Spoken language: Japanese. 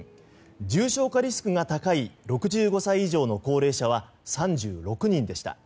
重症化リスクが高い６５歳以上の高齢者は３６人でした。